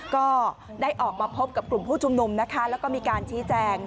ก็ได้ออกมาพบกับกลุ่มผู้ชุมนุมนะคะแล้วก็มีการชี้แจง